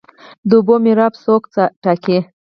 د اوبو میراب څوک ټاکي؟